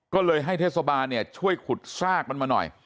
ก็เลยให้เทสบาเนี่ยช่วยขุดสรากมันมาหน่อย